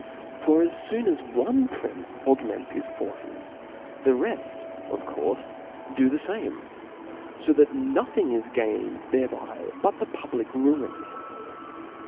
For as fooh as onp prince augments his forces, the reft of. courfe do the fame •, fo that nothing is gained thereby but the public ruin.